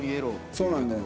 そうなんだよ。